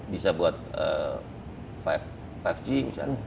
bisa buat lima g misalnya